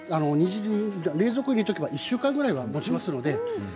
冷蔵庫に入れておけば１週間ぐらいはもちますので。